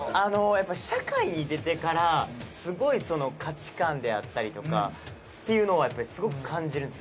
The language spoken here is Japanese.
社会に出てからすごい価値観であったりとかっていうのはやっぱりすごく感じるんです。